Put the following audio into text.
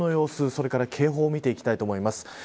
それから警報、見ていきたいと思います。